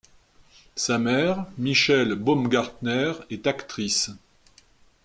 Sa mère Michèle Baumgartner est actrice.